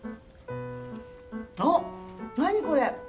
あっ何これ！